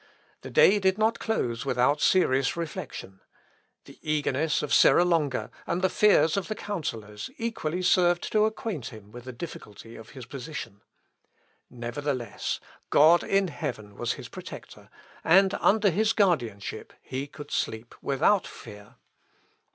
The day did not close without serious reflection. The eagerness of Serra Longa, and the fears of the counsellors, equally served to acquaint him with the difficulty of his position. Nevertheless, God in heaven was his protector, and under his guardianship he could sleep without fear.